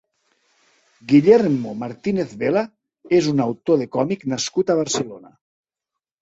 Guillermo Martínez-Vela és un autor de còmic nascut a Barcelona.